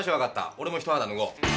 俺も一肌脱ごう。